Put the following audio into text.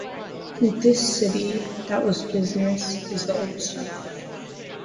This city that was business is the old stuff.